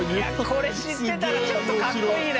これ知ってたらちょっとかっこいいな。